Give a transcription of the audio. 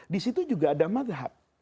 di situ juga ada madhab